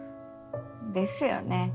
ですよね。